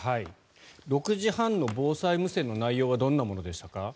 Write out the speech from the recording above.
６時半の防災無線の内容はどんなものでしたか？